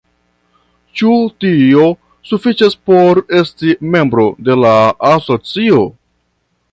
Ĉu tio sufiĉas por esti membro de la asocio?